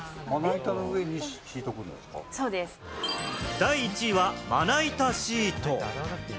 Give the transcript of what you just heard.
第１位は、まな板シート。